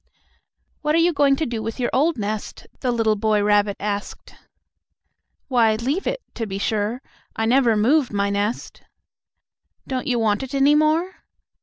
"What are you going to do with your old nest?" the little boy rabbit asked. "Why leave it, to be sure. I never move my nest." "Don't you want it any more?"